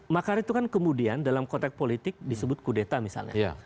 makar itu kan kemudian dalam konteks politik disebut kudeta misalnya